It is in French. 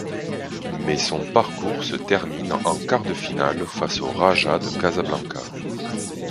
Mais son parcours se termine en quarts de finale face au Raja de Casablanca.